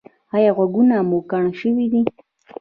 ایا غوږونه مو کڼ شوي دي؟